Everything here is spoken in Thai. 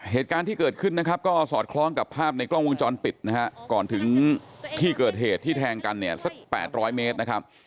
เหตุการณ์ที่เกิดขึ้นนะครับก็สอดคล้องกับภาพในกล้องวงจรปิดนะฮะก่อนถึงที่เกิดเหตุที่แทงกันเนี่ยสัก๘๐๐เมตรนะครับ